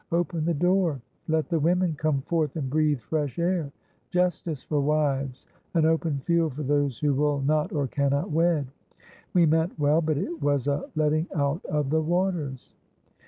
Open the door! Let the women come forth and breathe fresh air! Justice for wives, an open field for those who will not or cannot wed! We meant well, but it was a letting out of the waters.